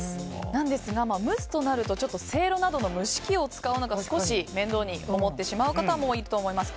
なんですが、蒸すとなるとせいろなどの蒸し器を使うのが少し面倒に思ってしまう方も多いと思います。